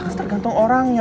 ya kan tergantung orangnya